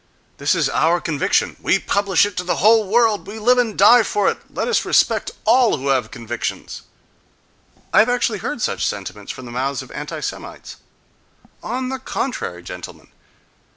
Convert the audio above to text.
—"This is our conviction: we publish it to the whole world; we live and die for it—let us respect all who have convictions!"—I have actually heard such sentiments from the mouths of anti Semites. On the contrary, gentlemen!